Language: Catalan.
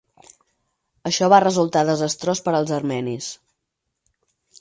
Això va resultar desastrós per als armenis.